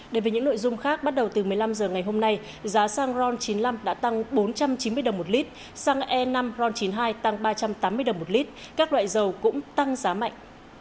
đến với những nội dung khác bắt đầu từ một mươi năm h ngày hôm nay giá xăng ron chín mươi năm đã tăng bốn trăm chín mươi đồng một lít xăng e năm ron chín mươi hai tăng ba trăm tám mươi đồng một lít các loại dầu cũng tăng giá mạnh